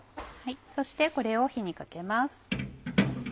そしてこれを火にかけます。